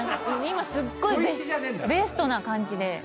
今すっごいベストな感じで。